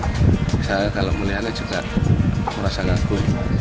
misalnya kalau melihatnya juga merasa ngakuin